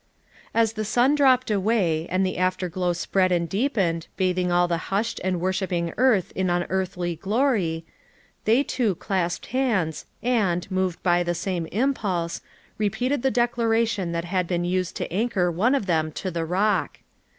As the sun dropped away, and the afterglow spread and deepened bathing all the hushed and worshiping earth in unearthly glory, they two clasped hands and, moved by the same im pulse, repeated the declaration that had been used to anchor one of them to the Rock.